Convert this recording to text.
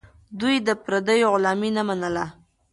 دوی د پردیو غلامي نه منله.